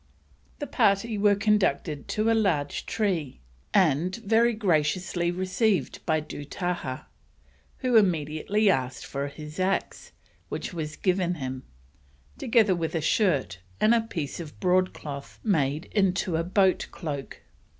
The party were conducted to a large tree, and very graciously received by Dootahah, who immediately asked for his axe, which was given him, together with a shirt and a piece of broadcloth made into a boat cloak.